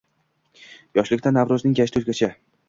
«Yoshlik»da Navro‘zning gashti o‘zgacha